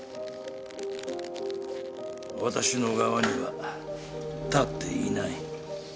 私の側には立っていない。